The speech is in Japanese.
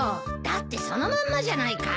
だってそのまんまじゃないか。